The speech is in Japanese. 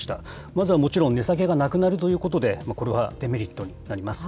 まずはもちろん、値下げがなくなるということで、これはデメリットになります。